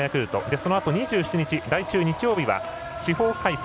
そのあと２７日、来週日曜日は地方開催。